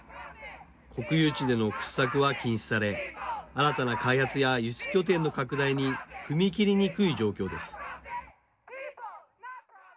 国有地での掘削は禁止され新たな開発や輸出拠点の拡大に踏み切りにくい状況です。